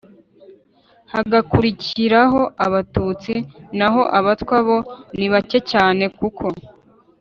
hagakurikiraho abatutsi, naho abatwa bo ni bake cyane kuko